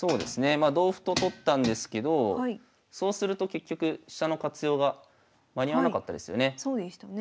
まあ同歩と取ったんですけどそうすると結局飛車の活用が間に合わなかったですよね。